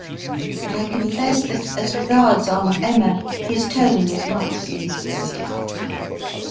But I confess that as regards Aunt Emma his tone o was not enthusiastic.